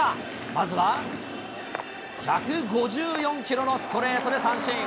まずは、１５４キロのストレートで三振。